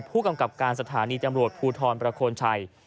ผู้กำกับการสถานีตำรวจภูทรประโคนชัย